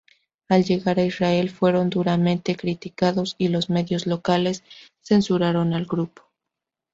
Al llegar a Israel fueron duramente criticados, y los medios locales censuraron al grupo.